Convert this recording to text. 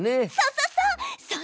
そうそうそう！